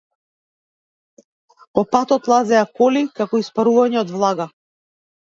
По патот лазеа коли како испарувања од влага.